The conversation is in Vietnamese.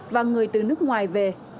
và người từ nước ngoài về